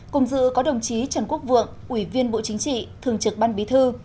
cùng dự có đồng chí trần quốc vượng ủy viên bộ chính trị thường trực ban bí thư